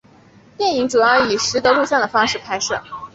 电影主要以拾得录像的方式拍摄。